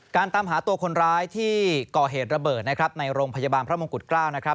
การตามหาตัวคนร้ายที่ก่อเหตุระเบิดในโรงพยาบาลพระมงกุฎเกล้า